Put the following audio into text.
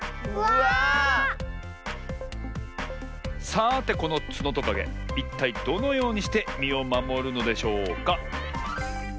さてこのツノトカゲいったいどのようにしてみをまもるのでしょうか？